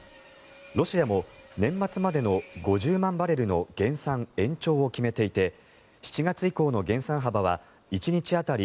ロシアも年末までの５０万バレルの減産延長を決めていて７月以降の減産幅は１日当たり